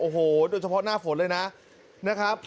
โอ้โหโดยเฉพาะหน้าฝนเลยนะครับ